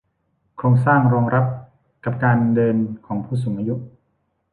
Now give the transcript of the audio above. โครงสร้างรองรับกับการเดินของผู้สูงอายุ